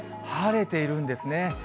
晴れているんですね。